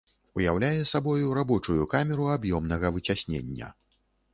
Уяўляе сабою рабочую камеру аб'ёмнага выцяснення.